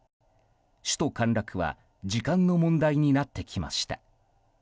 首都陥落は時間の問題になってきました。